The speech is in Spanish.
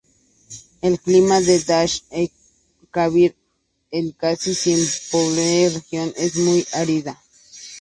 El clima de Dasht-e-Kavir es casi sin pluviosidad y la región es muy árida.